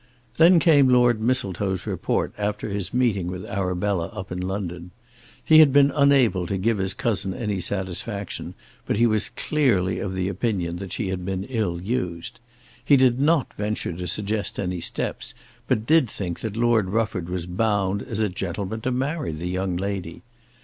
Then came Lord Mistletoe's report after his meeting with Arabella up in London. He had been unable to give his cousin any satisfaction, but he was clearly of opinion that she had been ill used. He did not venture to suggest any steps, but did think that Lord Rufford was bound as a gentleman to marry the young lady.